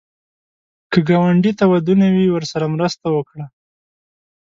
که ګاونډي ته ودونه وي، ورسره مرسته وکړه